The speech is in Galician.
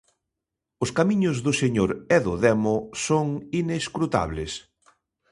Os camiños do señor e do demo son inescrutables.